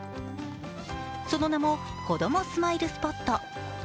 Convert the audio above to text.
その名も、こどもスマイルスポット。